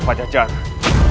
tidak ada jajaran